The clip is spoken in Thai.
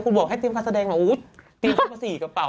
คุณบอกให้เตรียมการแสดงมาอุ๊ยปีมาสี่กระเป๋า